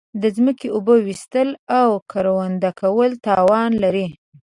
د زمکی اوبه ویستل او کرونده کول تاوان لری